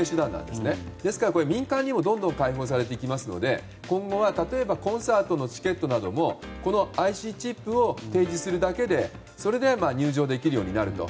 ですから民間にもどんどん開放されていくので今後は例えばコンサートのチケットなどもこのＩＣチップを提示するだけで入場できるようになると。